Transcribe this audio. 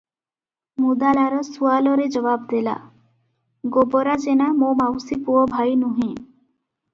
ମୁଦାଲାର ସୁଆଲରେ ଜବାବ ଦେଲା -"ଗୋବରା ଜେନା ମୋ ମାଉସୀ ପୁଅ ଭାଇ ନୁହେଁ ।